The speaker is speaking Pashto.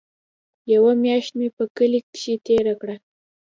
يوه مياشت مې په کلي کښې تېره کړه.